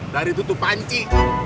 dari tutup panci